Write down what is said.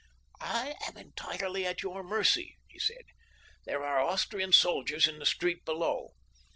"I am entirely at your mercy," he said. "There are Austrian soldiers in the street below.